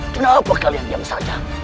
kenapa kalian diam saja